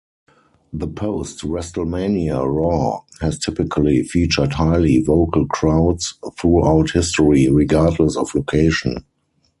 The post-WrestleMania "Raw" has typically featured highly vocal crowds throughout history, regardless of location.